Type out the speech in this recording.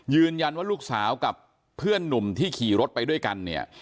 ยืนยันว่าลูกสาวกับเพื่อนหนุ่มที่ขี่รถไปด้วยกันเนี่ย